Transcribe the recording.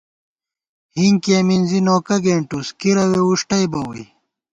ہِنکِیَہ مِنزی نوکہ گېنٹُوس، کِرَوے وُݭٹَئیبہ ووئی